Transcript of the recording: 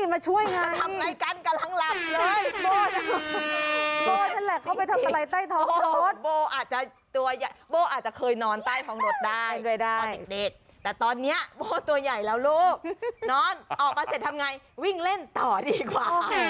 ผู้อาชิกประการตอนจองนั้นห้าวาชเจ้าบุญเกิดนะคะ